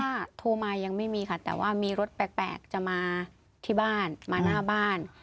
ถ้าโทรมายังไม่มีค่ะแต่ว่ามีรถแปลกจะมาที่บ้านมาหน้าบ้าน